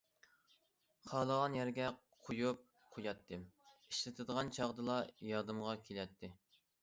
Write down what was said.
خالىغان يەرگە قويۇپ قوياتتىم، ئىشلىتىدىغان چاغدىلا يادىمغا كېلەتتى.